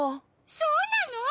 そうなの！？